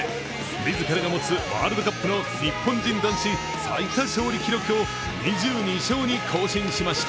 自らが持つワールドカップの日本人男子最多勝利記録を２２勝に更新しました。